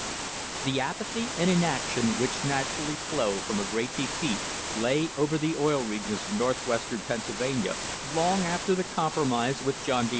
1 apathy and inaction which naturally flow from a great defeat lay over the Oil Regions of North western Pennsylvania long after the compromise with John D.